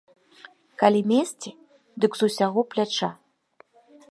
Калі месці, дык з усяго пляча.